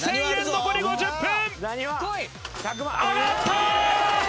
残り５０分